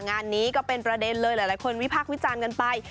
งานนี้ก็เป็นประเด็นเลยหลายคนวิพากษ์วิจารณ์กันไป